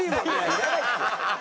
いらないですよ。